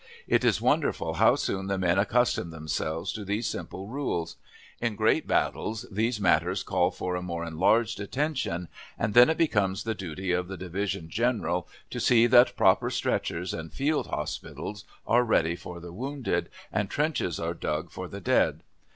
It is wonderful how soon the men accustom themselves to these simple rules. In great battles these matters call for a more enlarged attention, and then it becomes the duty of the division general to see that proper stretchers and field hospitals are ready for the wounded, and trenches are dug for the dead.